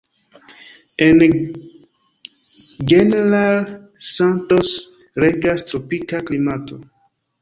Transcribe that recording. En General Santos regas tropika klimato.